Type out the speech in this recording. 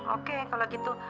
oke kalau gitu